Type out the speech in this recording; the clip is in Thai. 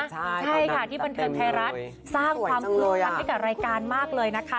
ใช่ค่ะที่บันเทิงไทยรัฐสร้างความคึกคักให้กับรายการมากเลยนะคะ